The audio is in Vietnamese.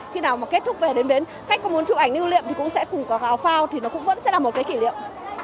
khi nào mà kết thúc về đến bến khách có muốn chụp ảnh ưu liệm thì cũng sẽ cùng có áo phao thì nó cũng vẫn sẽ là một cái kỷ niệm